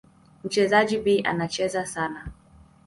Mchezaji B anacheza sasa.